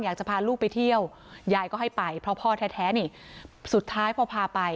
อยากจะพาลูกไปเที่ยวยายก็ให้ไปเพราะพ่อแท้นี่สุดท้ายพอพาไป